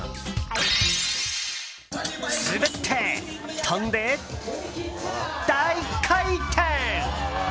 滑って、跳んで大回転！